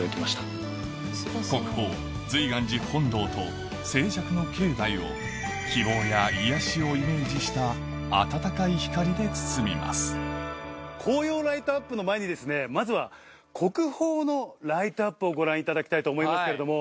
国宝瑞巌寺本堂と静寂の境内を希望や癒やしをイメージした温かい光で包みます紅葉ライトアップの前にまずは。をご覧いただきたいと思いますけれども。